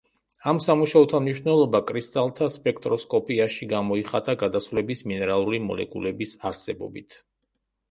ამ სამუშაოთა მნიშვნელობა კრისტალთა სპექტროსკოპიაში გამოიხატა გადასვლების მინერალური მოლეკულების არსებობით.